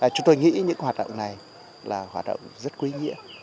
chúng tôi nghĩ những hoạt động này là hoạt động rất quý nghĩa